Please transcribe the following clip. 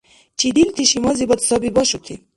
Чидилти шимазибад саби башути?